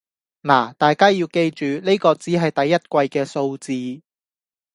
那大家要記住，呢個只係第一季嘅數字